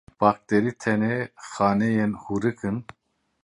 Bakterî tenê xaneyên hûrik in.